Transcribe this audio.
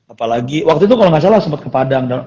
apalagi waktu itu kalau nggak salah sempat ke padang